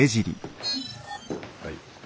はい。